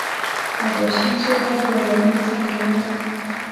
حبشي ژبه د عربي څانگه ده.